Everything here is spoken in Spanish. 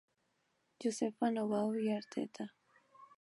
Josefa Noboa y Arteta.